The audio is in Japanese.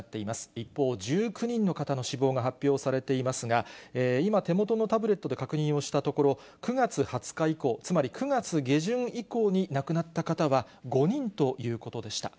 一方、１９人の方の死亡が発表されていますが、今、手元のタブレットで確認をしたところ、９月２０日以降、つまり９月下旬以降に亡くなった方は５人ということでした。